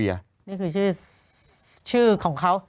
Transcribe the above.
นี่คือชื่อของเขา